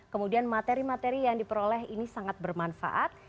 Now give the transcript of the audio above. kemudian materi materi yang diperoleh ini sangat bermanfaat